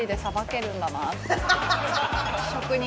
職人。